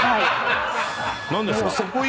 何ですか？